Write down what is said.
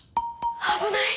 危ない！